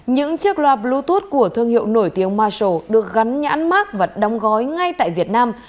những chiếc loa bluetooth của thương hiệu nổi tiếng masal được gắn nhãn mát và đóng gói ngay tại việt nam